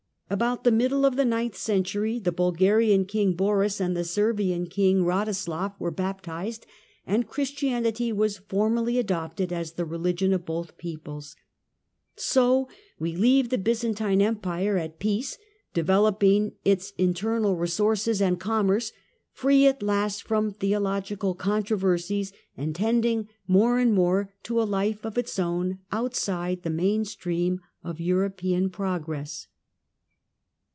About the middle of the ninth century the Bul garian King Boris and the Servian King Radoslav were baptised, and Christianity was formally adopted as the religion of both peoples. So we leave the Byzantine Empire at peace, developing its internal resources and commerce, free at last from theological controversies, and tending more and more to a life of its own outside the main stream of European progress.